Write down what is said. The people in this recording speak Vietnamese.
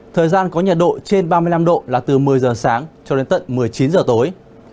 thời gian có nhiệt độ trên ba mươi năm độ là từ một mươi giờ sáng cho đến tận một mươi chín h tối